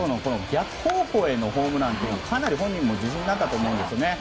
逆方向へのホームランというのはかなり本人も自信になったと思います。